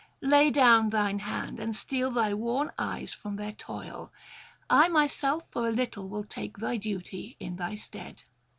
Lay down thine head, and steal thy worn eyes from their toil. I myself for a little will take thy duty in thy stead.'